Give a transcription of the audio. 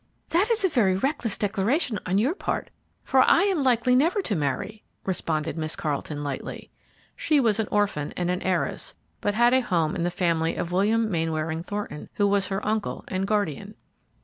"That is a very reckless declaration on your part, for I am likely never to marry," responded Miss Carleton, lightly. She was an orphan and an heiress, but had a home in the family of William Mainwaring Thornton, who was her uncle and guardian.